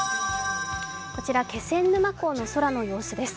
こちら、気仙沼港の空の様子です。